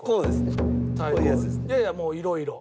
いやいやもう色々。